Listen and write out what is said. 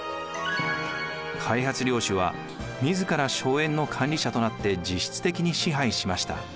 開発領主は自ら荘園の管理者となって実質的に支配しました。